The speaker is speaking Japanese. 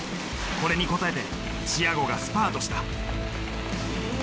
これに答えてチアゴがスパートした。